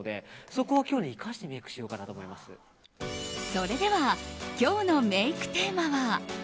それでは今日のメイクテーマは。